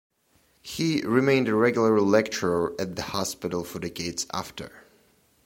He remained a regular lecturer at the hospital for decades after.